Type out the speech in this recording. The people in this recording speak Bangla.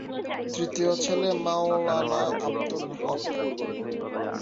তৃতীয় ছেলে মাওলানা আব্দুল হক।